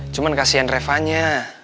cuma kasihan revanya